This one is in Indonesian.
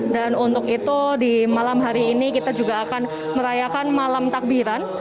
dan untuk itu di malam hari ini kita juga akan merayakan malam takbiran